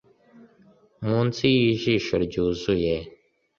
munsi y'ijisho ryuzuye